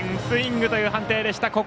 スイングという判定でした。